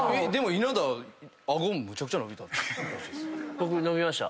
僕伸びました。